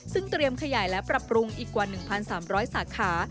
ซึ่งเตรียมขยายและปรับปรุงอีกกว่า๑๓๐๐สาขา